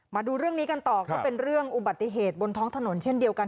มาดูเรื่องนี้กันต่อก็เป็นเรื่องอุบัติเหตุบนท้องถนนเช่นเดียวกัน